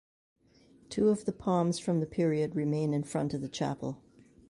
Two of the palms from the period remain in front of the chapel.